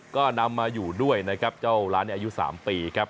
ก็นำมาอยู่ด้วยนะครับเจ้าร้านนี้อายุ๓ปีครับ